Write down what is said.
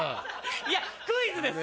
いやクイズです。